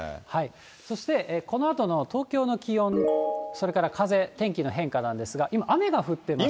そして、このあとの東京の気温、それから風、天気の変化なんですが、今、雨が降ってまして。